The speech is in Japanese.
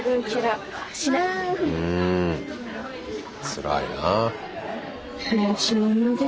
つらいなあ。